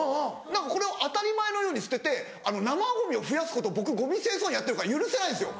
これを当たり前のように捨てて生ゴミを増やすことを僕ゴミ清掃員やってるから許せないんですよ。